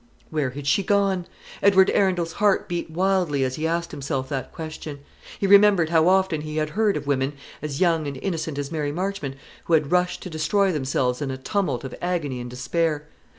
Where had she gone? Edward Arundel's heart beat wildly as he asked himself that question. He remembered how often he had heard of women, as young and innocent as Mary Marchmont, who had rushed to destroy themselves in a tumult of agony and despair.